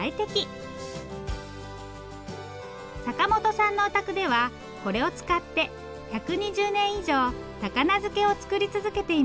坂本さんのお宅ではこれを使って１２０年以上高菜漬けを作り続けています。